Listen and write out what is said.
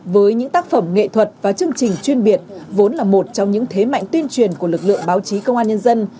với những tác phẩm nghệ thuật và chương trình chuyên biệt vốn là một trong những thế mạnh tuyên truyền của lực lượng báo chí công an nhân dân